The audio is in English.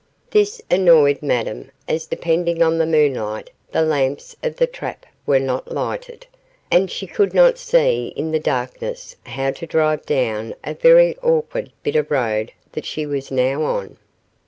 This annoyed Madame, as, depending on the moonlight, the lamps of the trap were not lighted, and she could not see in the darkness how to drive down a very awkward bit of road that she was now on.